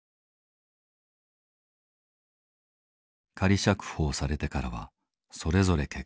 仮釈放されてからはそれぞれ結婚。